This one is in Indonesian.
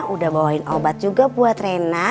udah bawain obat juga buat rena